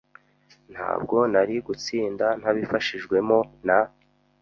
Ntabwo nari gutsinda ntabifashijwemo na .